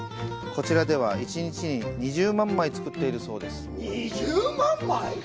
こちらでは１日に２０万枚作っているそうです。